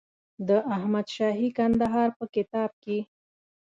د احمدشاهي کندهار په کتاب کې.